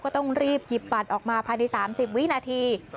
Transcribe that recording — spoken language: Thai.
ก็ต้องรีบหยิบบัตรออกมาภายใน๓๐วินาที